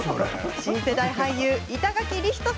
新世代俳優板垣李光人